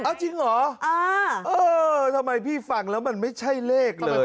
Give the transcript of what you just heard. เอาจริงเหรอเออทำไมพี่ฟังแล้วมันไม่ใช่เลขเลย